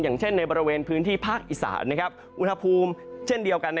อย่างเช่นในบริเวณพื้นที่ภาคอีสานอุณหภูมิเช่นเดียวกัน